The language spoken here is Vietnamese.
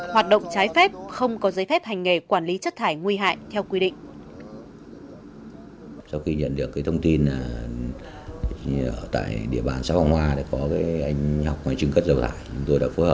hoạt động trái phép không có giấy phép hành nghề quản lý chất thải nguy hại theo quy định